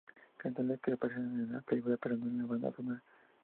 Canciones que aparecen en la película, pero no en la banda sonora